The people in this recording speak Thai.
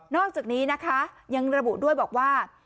อกจากนี้นะคะยังระบุด้วยบอกว่า